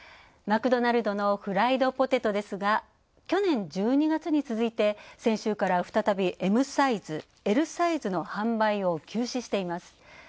マクドナルドのフライドポテトですが去年１２月に続いて先週から再び、Ｍサイズ、Ｌサイズの販売を休止しています。